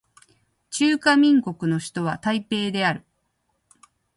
中華民国の首都は台北である